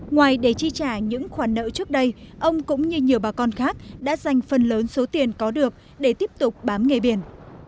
ngoài để chi trả những khoản nợ trước đây ông cũng như nhiều bà con khác đã dành phần lớn số tiền có được để tiếp tục bám nghề biển